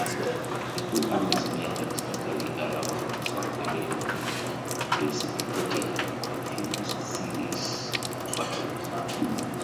The two armies met accidentally around Solferino, precipitating a confused series of battles.